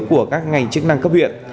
của các ngành chức năng cấp huyện